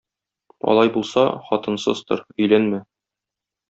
Алай булса, хатынсыз тор, өйләнмә